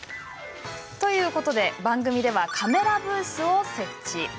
ということで番組ではカメラブースを設置。